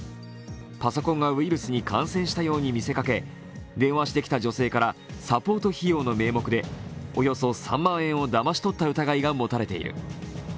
パソコンがウイルスに感染したように見せかけ電話してきた女性からサポート費用の名目でおよそ３万円をだまし取った疑いが持たれている。